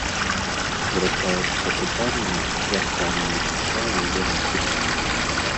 Вырашаецца пытанне аб вяртанні дзіця яе маці.